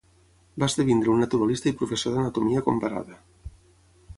Va esdevenir un naturalista i professor d'Anatomia comparada.